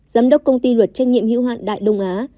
giám đốc công ty luật trách nhiệm hữu hạn đại đông á